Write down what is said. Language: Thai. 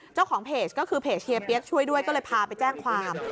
เจ้าของเพจก็คือเพจเฮียเปี๊ยกช่วยด้วยก็เลยพาไปแจ้งความ